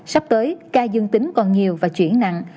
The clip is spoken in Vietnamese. sắp tới ca dương tính còn nhiều và chuyển nặng